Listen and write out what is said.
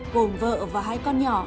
cùng vợ và hai con nhỏ